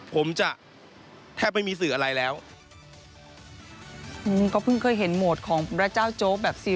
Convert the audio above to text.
ผมจะแทบไม่มีสื่ออะไรแล้วก็อืมก็เพิ่งเคยเห็นโหมดของพระเจ้าโจ๊กแบบซี